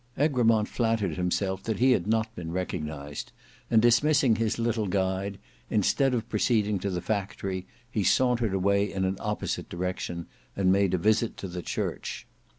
Egremont flattered himself that he had not been recognised, and dismissing his little guide, instead of proceeding to the factory he sauntered away in an opposite direction, and made a visit to the church.